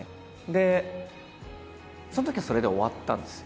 でそのときはそれで終わったんです。